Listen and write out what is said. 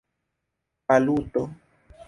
valuto